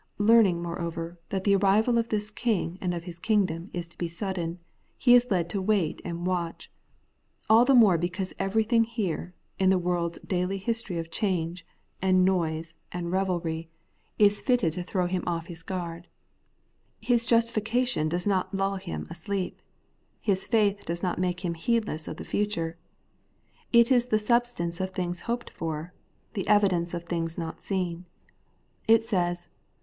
Learning, moreover, that the arrival of this King and of His kingdom is to be sudden, he is led to wait and watch ; all the more because everjiihing here, in the world's daily history of change, and noise and revelry. The Holy Life of the Justified, 209 is fitted to throw him oflf his guard. His justifica tion does not lull him asleep. His faith does not make him heedless of the future. It is the substance of things hoped for, the evidence of things not seen. It says.